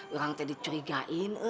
orang teh dicurigain